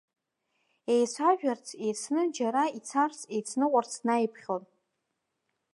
Еицәажәарц, еицны џьара ицарц, еицныҟәарц днаиԥхьон.